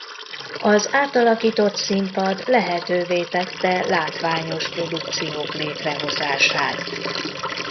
Az átalakított színpad lehetővé tette látványos produkciók létrehozását.